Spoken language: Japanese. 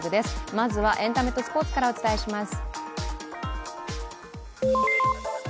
まずはエンタメとスポーツからお伝えします。